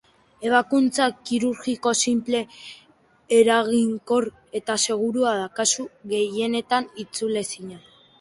Ebakuntza kirurgiko sinple, eraginkor eta segurua da, kasu gehienetan itzulezina.